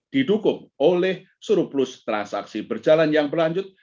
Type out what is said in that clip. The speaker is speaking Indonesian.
didukung oleh surplus transaksi berjalan yang berlanjut